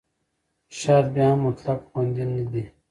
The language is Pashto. شات بیا هم مطلق خوندي نه دی.